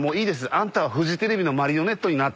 あんたはフジテレビのマリオネットになってください。